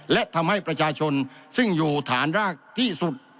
และทำให้ประชาชนซึ่งอยู่ฐานรากที่สุด